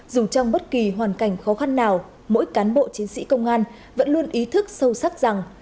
dù trong bất kỳ hoàn cảnh khó khăn nào mỗi cán bộ chiến sĩ công an vẫn luôn ý thức sâu sắc rằng